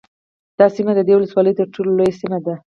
دا سیمه د دې ولسوالۍ ترټولو لوړه سیمه ده